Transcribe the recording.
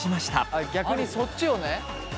あっ逆にそっちをね。